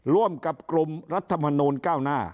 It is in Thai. ร่วมกับกลุ่มรัฐมนูลก้าวหน้า